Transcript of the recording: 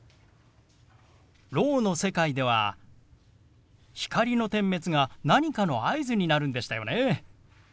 ろうの世界では光の点滅が何かの合図になるんでしたよね。